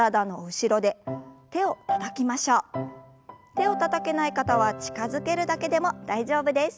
手をたたけない方は近づけるだけでも大丈夫です。